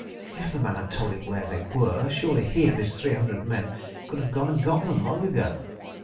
If the man had told him where they were, surely he and his three hundred men could have gone and got them long ago.